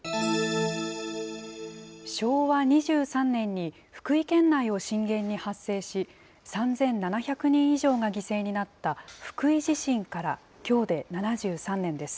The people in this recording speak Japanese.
昭和２３年に、福井県内を震源に発生し、３７００人以上が犠牲になった福井地震からきょうで７３年です。